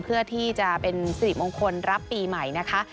เพื่อที่จะเป็นสิริมงคลรับปีใหม่นะคะ